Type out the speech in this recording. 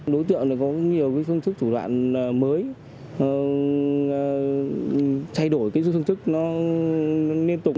đối tượng có nhiều phương thức thủ đoạn mới thay đổi cái phương thức nó liên tục